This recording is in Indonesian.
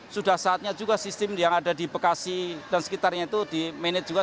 sudah saatnya juga sistem yang ada di bekasi dan sekitarnya itu di manage juga